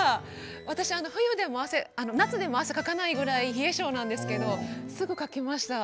私、夏でも汗をかかないくらい冷え性なんですけれどもすぐに、かきました。